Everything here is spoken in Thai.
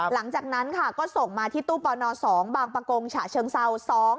หลังจากนั้นค่ะก็ส่งมาที่ตู้ปน๒บางประกงฉะเชิงเศร้า